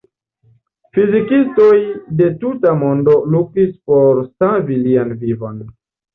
Fizikistoj de tuta mondo luktis por savi lian vivon.